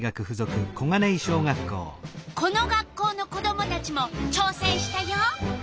この学校の子どもたちもちょうせんしたよ。